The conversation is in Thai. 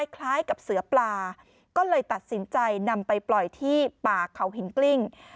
คล้ายกับเสือปลาก็เลยตัดสินใจนำไปปล่อยที่ป่าเขาหินกลิ้ง